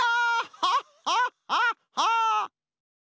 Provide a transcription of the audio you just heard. ハッハッハッハッ！